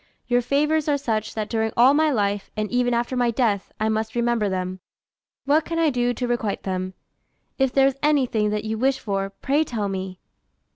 Your favours are such, that during all my life, and even after my death, I must remember them. What can I do to requite them? If there is anything that you wish for, pray tell me."